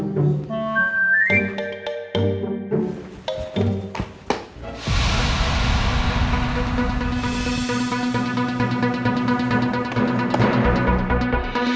mana ya kertas